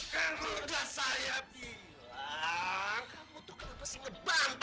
kamu udah saya bilang